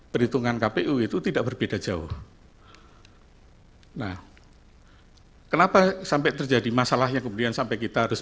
perhitungan kpu itu tidak berbeda jauh nah kenapa sampai terjadi masalahnya kemudian sampai kita harus